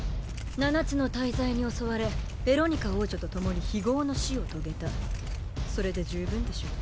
七つの大罪に襲われベロニカ王女と共に非業の死を遂げたそれで十分でしょう？